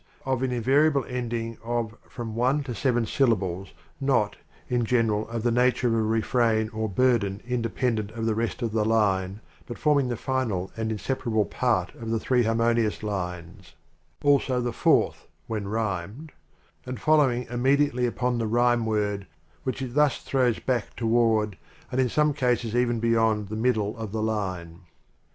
of an invariable ending of From one to seven syllables, not, in general, of the nature of a refrain or burden independent of the rest of the line, but forming the final and inseparable part of the three harmonious lines 'also the fourth, when Original from UNIVERSITY OF MICHIGAN 6 rhymed ^ and following immediately upon the rhyme word, which it thus throws back toward, and in some cases even beyond, the middle of the line.